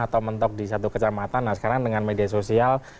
atau mentok di satu kecamatan nah sekarang dengan media sosial